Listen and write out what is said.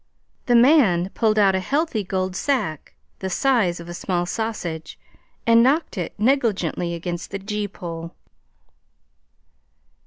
The man pulled out a healthy gold sack the size of a small sausage and knocked it negligently against the gee pole.